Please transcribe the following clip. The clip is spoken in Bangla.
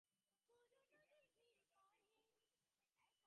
ভক্তি, ধ্যান ও ব্রহ্মচর্যের দ্বারা সেই দিব্যজ্ঞানলাভ করতে হবে।